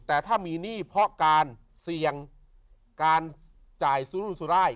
แต่ถ้ามีหนี้เพราะการเสี่ยงการจ่ายสุรุสุราย